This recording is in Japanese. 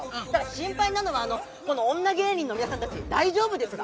心配なのは、この女芸人の皆さんたち、大丈夫ですか？